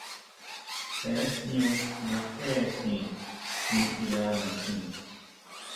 Jee jñú nga jéʼejin niʼyanajin.